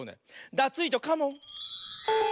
ダツイージョカモン！